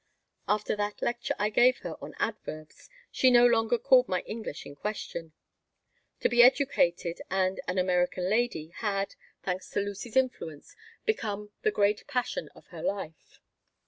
After that lecture I gave her on adverbs she no longer called my English in question. To be educated and an "American lady" had, thanks to Lucy's influence, become the great passion of her life.